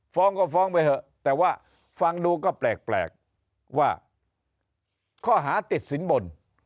ฟ้องก็ฟ้องไปเถอะแต่ว่าฟังดูก็แปลกว่าข้อหาติดสินบน